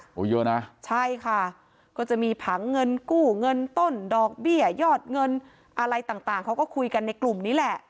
โอ้โหเยอะนะใช่ค่ะก็จะมีผังเงินกู้เงินต้นดอกเบี้ยยอดเงินอะไรต่างเขาก็คุยกันในกลุ่มนี้แหละ